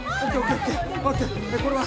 えこれは？